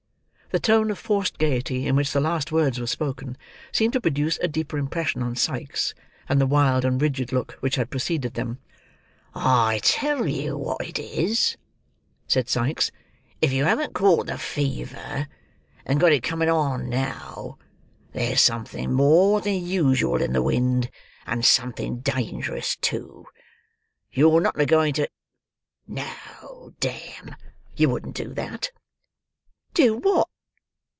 The tone of forced gaiety in which the last words were spoken, seemed to produce a deeper impression on Sikes than the wild and rigid look which had preceded them. "I tell you wot it is," said Sikes; "if you haven't caught the fever, and got it comin' on, now, there's something more than usual in the wind, and something dangerous too. You're not a going to—. No, damme! you wouldn't do that!" "Do what?"